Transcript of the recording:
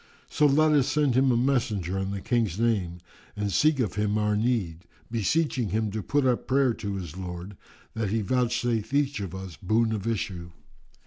So let us send him a messenger in the King's name and seek of him our need, beseeching him to put up prayer to his Lord, that He vouchsafe each of us boon of issue.